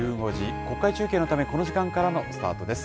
国会中継のため、この時間からのスタートです。